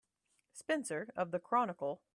Spencer of the Chronicle.